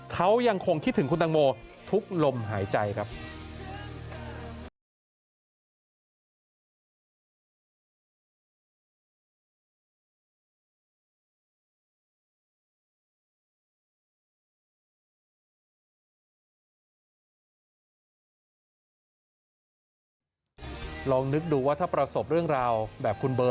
เขายังคงคิดถึงคุณตังโมทุกลมหายใจครับ